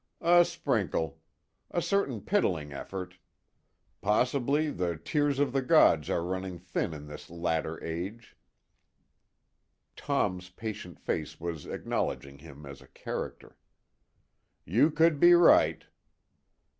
"A sprinkle. A certain piddling effort. Possibly the tears of the gods are running thin in this latter age." Tom's patient face was acknowledging him as a Character. "You could be right."